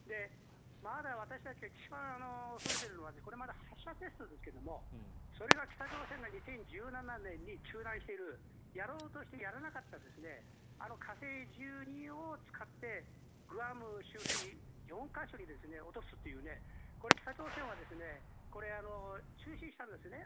まだ私たちは一番恐れているのはこれまで発射テストですがそれが北朝鮮が２０１７年に中断しているやろうとしてやらなかった火星１２を使ってグアム周辺４か所に落とすというこれ、北朝鮮は中止したんですね。